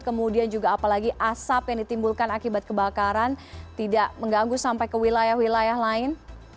kemudian juga apalagi asap yang ditimbulkan akibat kebakaran tidak mengganggu sampai ke wilayah wilayah lain